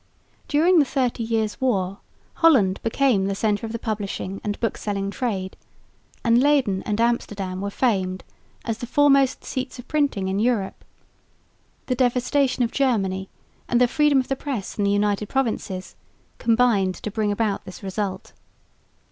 During the Thirty Years' War Holland became the centre of the publishing and book selling trade; and Leyden and Amsterdam were famed as the foremost seats of printing in Europe. The devastation of Germany and the freedom of the press in the United Provinces combined to bring about this result.